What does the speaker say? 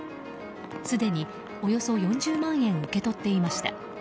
すでにおよそ４０万円受け取っていました。